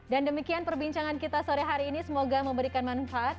dan demikian perbincangan kita sore hari ini semoga memberikan manfaat